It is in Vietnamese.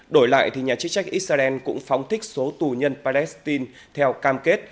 đổi lại thì nhà chức trách israel cũng phóng thích số tù nhân palestine theo cam kết